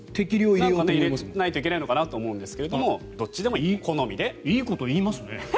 なんか、入れないといけないのかなと思うんですがいいこと言いますね。